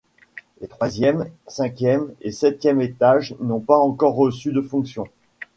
Les troisième, cinquième et septième étages n'ont pas encore reçu de fonction.